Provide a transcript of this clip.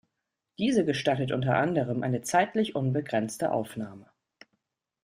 Diese gestattet unter anderem eine zeitlich unbegrenzte Aufnahme.